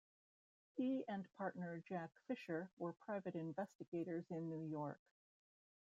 He and partner Jack Fisher were private investigators in New York.